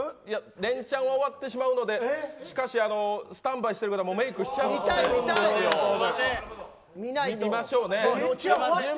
レンチャンは終わってしまうのでしかし、スタンバイしている方もメークしているので見ましょうね。